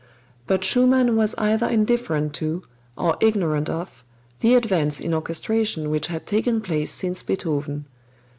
But Schumann was either indifferent to, or ignorant of, the advance in orchestration which had taken place since Beethoven.